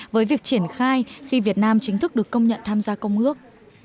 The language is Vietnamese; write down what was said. với việc triển khai khi việt nam chính thức được công nhận tham gia công ước